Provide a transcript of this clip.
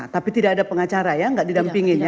tapi tidak ada pengacara ya nggak didampingin ya